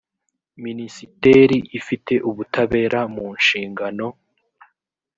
minisiteri ifite ubutabera mu nshingano